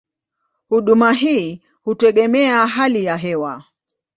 Huduma hii hutegemea hali ya hewa.